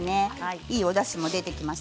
いいおだしも出てきました